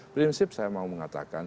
prinsip saya mau mengatakan